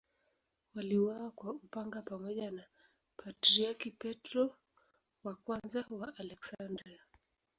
Waliuawa kwa upanga pamoja na Patriarki Petro I wa Aleksandria.